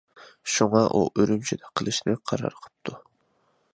شۇڭا ئۇ ئۈرۈمچىدە قىلىشنى قارار قىپتۇ.